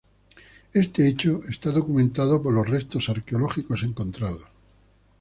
Este hecho está documentado por los restos arqueológicos encontrados.